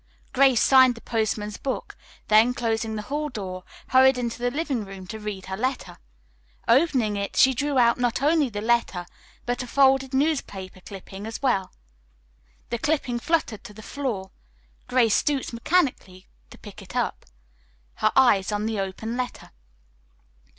Grace signed the postman's book, then, closing the hall door, hurried into the living room to read her letter. Opening it, she drew out not only the letter but a folded newspaper clipping as well. The clipping fluttered to the floor. Grace stooped mechanically to pick it up, her eyes on the open letter.